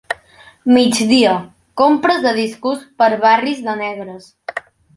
Migdia: compres de discos per barris de negres.